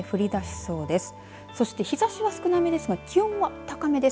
そして、日ざしは少なめですが気温は高めです。